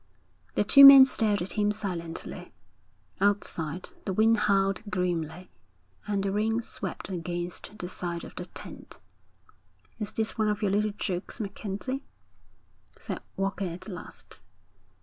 The two men stared at him silently. Outside, the wind howled grimly, and the rain swept against the side of the tent. 'Is this one of your little jokes, MacKenzie?' said Walker at last.